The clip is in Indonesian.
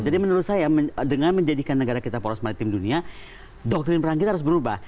jadi menurut saya dengan menjadikan negara kita poros maritim dunia doktrin perang kita harus berubah